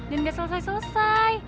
dan gak selesai selesai